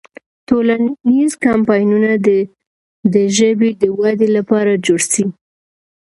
ټولنیز کمپاینونه دې د ژبې د ودې لپاره جوړ سي.